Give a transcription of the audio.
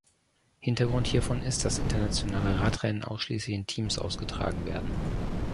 Hintergrund hiervon ist, dass internationale Radrennen ausschließlich in Teams ausgetragen werden.